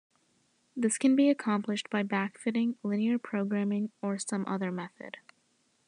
This can be accomplished by backfitting, linear programming or some other method.